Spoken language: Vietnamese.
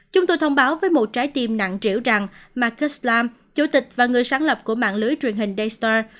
chúng tôi thông báo với một trái tim nặng triểu rằng marcus lam chủ tịch và người sáng lập của mạng lưới truyền hình daystar